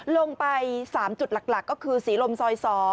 ลงไป๓จุดหลักก็คือศรีลมซอย๒